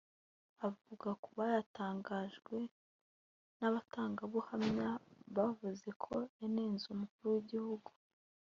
Avuga ku bayatangajwe n’aba batangabuhamya bavuze ko yanenze Umukuru w’igihugu